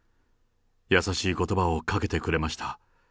優しいことばをかけてくれました。